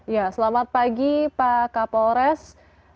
ya selamat pagi pak kapolres